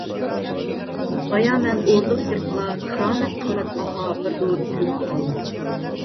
بايا مەن ئوردىغا كىرىپلا كارامەت قىممەت باھا بىر دورىنى كۆرۈپ قالدىم.